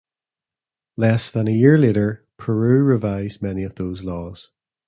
Less than a year later, Peru revised many of those laws.